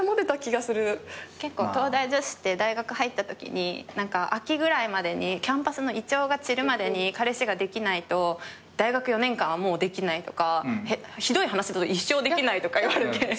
結構東大女子って大学入ったときに秋ぐらいまでにキャンパスのイチョウが散るまでに彼氏ができないと大学４年間はもうできないとかひどい話だと一生できないとかいわれて。